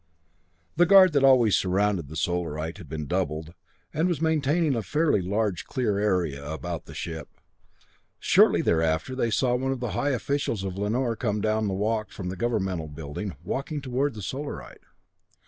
The guard that always surrounded the Solarite had been doubled, and was maintaining a fairly large clear area about the ship. Shortly thereafter they saw one of the high officials of Lanor come down the walk from the governmental building, walking toward the Solarite.